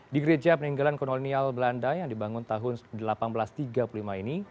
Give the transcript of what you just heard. di gereja peninggalan kolonial belanda yang dibangun tahun seribu delapan ratus tiga puluh lima ini